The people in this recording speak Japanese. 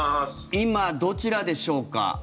今、どちらでしょうか。